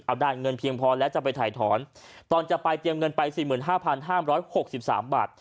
เอาได้เงินเพียงพอแล้วจะไปถ่ายถอนตอนจะไปเตรียมเงินไปสี่หมื่นห้าพันห้ามร้อยหกสิบสามบาท